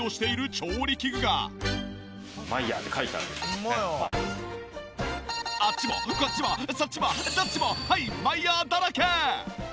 そんな大人気笠原教授があっちもこっちもそっちもどっちもはいマイヤーだらけ！